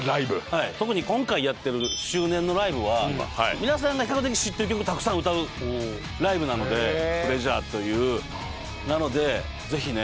はい特に今回やってる周年のライブは皆さんが比較的知ってる曲たくさん歌うライブなのでＰｌｅａｓｕｒｅというなので是非ね